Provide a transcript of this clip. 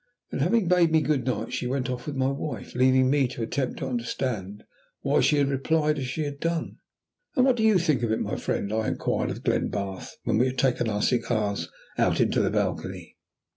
Then, having bade me good night, she went off with my wife, leaving me to attempt to understand why she had replied as she had done. "And what do you think of it, my friend?" I inquired of Glenbarth, when we had taken our cigars out into the balcony.